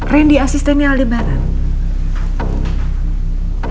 rendy asistennya aldebaran